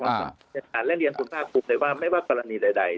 ในการเรียนคุณภาคภูมิได้ว่าไม่ว่าปรณีใด